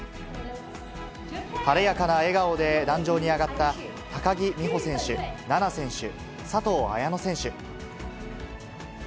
晴れやかな笑顔で壇上に上がった高木美帆選手、菜那選手、佐藤綾乃選手。